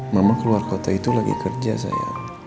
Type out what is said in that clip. mama keluar kota itu lagi kerja saya